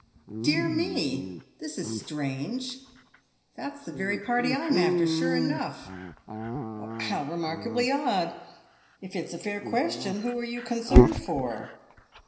" Dear me ! this is strange. That's the very party I'm after, sure enough." " How remarkably odd ! If it's a fair question, who are you concerned for